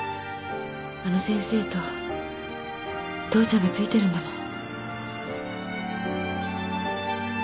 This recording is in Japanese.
あの先生と父ちゃんがついてるんだもん。